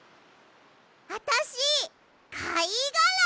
あたしかいがら！